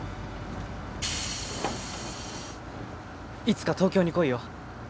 いつか東京に来いよ。